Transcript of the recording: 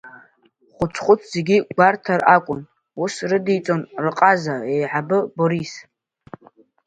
Хәыц-хәыц зегьы гәарҭар акәын, ус рыдиҵон рҟаза еиҳабы Борис.